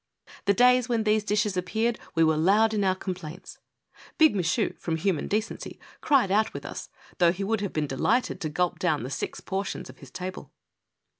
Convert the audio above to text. The days when these dishes appeared we were loud in our complaints. Big Michu, from human decency, cried out with us, though he would have been delighted to gulp down the six portions of his table.